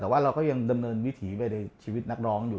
แต่ว่าเราก็ยังดำเนินวิถีไปในชีวิตนักร้องอยู่